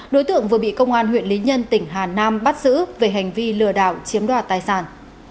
đối tượng vừa bị công an huyện lý nhân tỉnh hà nam bắt giữ về hành vi lừa đảo chiếm đoạt tài sản